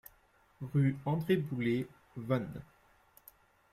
Rue André Bouler, Vannes